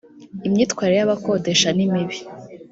imyitwarire y ‘abakodesha nimibi